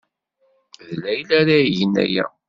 D Layla ara igen aya.